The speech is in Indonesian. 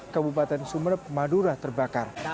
kebupatan sumeneb madura terbakar